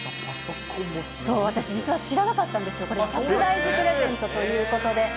そう、私、実は知らなかったんですよ、これ、サプライズプレゼントということで。